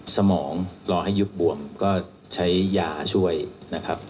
สมองรอให้ยุบบวมก็ใช้ยาช่วยนะครับ